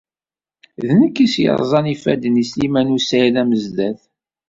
D nekk ay as-yerẓan ifadden i Sliman u Saɛid Amezdat.